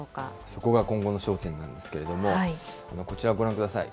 そこが今後の焦点なんですけれども、こちらご覧ください。